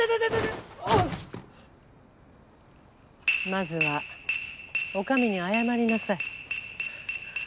まずは女将に謝りなさい。